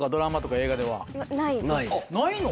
ないの？